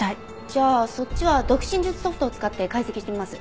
じゃあそっちは読唇術ソフトを使って解析してみます。